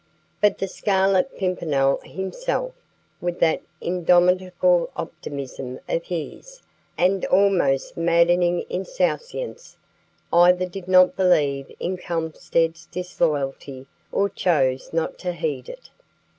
But the Scarlet Pimpernel himself, with that indomitable optimism of his, and almost maddening insouciance, either did not believe in Kulmsted's disloyalty or chose not to heed it.